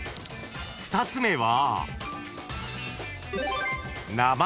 ［２つ目は］